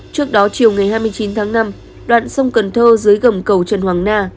trước đó chiều ngày hai mươi chín tháng năm đoạn sông cần thơ dưới gầm cầu trần hoàng na